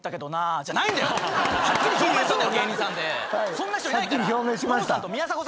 そんな人いないから。